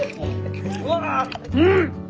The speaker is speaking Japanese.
うん！